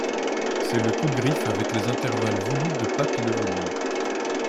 C’est le coup de griffe avec les intervalles voulus de patte de velours.